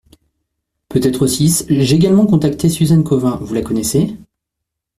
Peut-être six, j’ai également contacté Suzanne Cauvin, vous la connaissez?